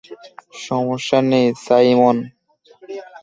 সমস্যা নেই, সাইমন!